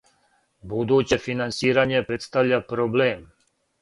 Будуће финансирање представља проблем.